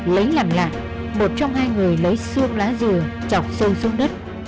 lấy làm lạc một trong hai người lấy xương lá dừa chọc sâu xuống đất